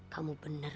kamu benar beri